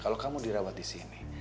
kalo kamu dirawat disini